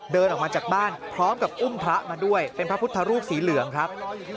เดินออกมาจากบ้านพร้อมกับอุ้มพระมาด้วยเป็นพระพุทธรูปสีเหลืองครับ